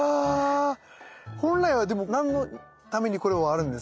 本来はでも何のためにこれはあるんですか？